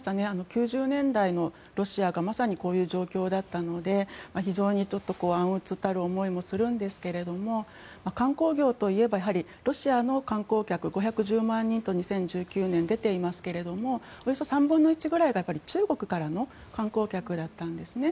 ９０年代のロシアがまさにこういう状況だったので非常に暗うつたる思いもするんですが観光業といえばロシアの観光客、５１０万人と２０１９年は出ていますがおよそ３分の１ぐらいが中国からの観光客だったんですね。